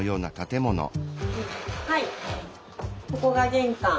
はいここが玄関。